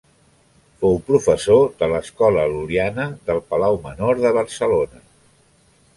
Fou professor de l'escola lul·liana del palau menor de Barcelona.